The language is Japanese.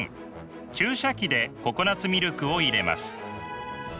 注射器でココナツミルクを入れます。